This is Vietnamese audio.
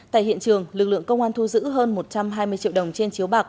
tại hiện trường lực lượng công an thu giữ hơn một trăm hai mươi triệu đồng trên chiếu bạc